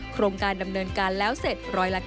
โครงการดำเนินการแล้วเสร็จ๑๙